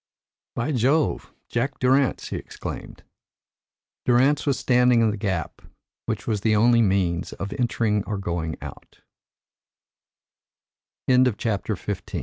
"By Jove! Jack Durrance," he exclaimed. Durrance was standing in the gap, which was the only means of entering or going o